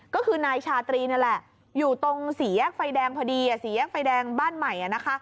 ก็คือนายชาตรีนั่นแหละอยู่ตรงสี่แยกไฟแดงพอดีสี่แยกไฟแดงบ้านใหม่นะคะ